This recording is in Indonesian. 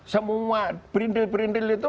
semua berintil berintil itu